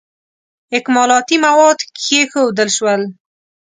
اکمالاتي مواد کښېښودل شول.